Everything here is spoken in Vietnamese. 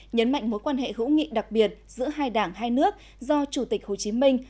nhấn mạnh mối quan hệ hữu nghị đặc biệt giữa hai đảng hai nước do chủ tịch hồ chí minh